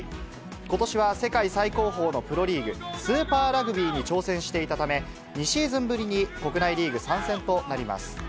ことしは世界最高峰のプロリーグ、スーパーラグビーに挑戦していたため、２シーズンぶりに国内リーグ参戦となります。